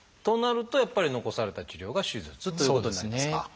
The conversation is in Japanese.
となるとやっぱり残された治療が「手術」ということになりますか？